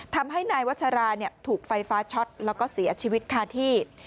ทำให้นายวัชราถูกไฟฟ้าช็อตแล้วก็เสียชีวิตคาที่